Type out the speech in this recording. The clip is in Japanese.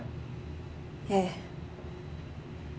ええ。